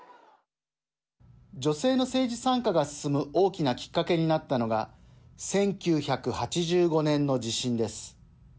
女性の政治参加が進む大きなきっかけになったのが１９８５年の地震です。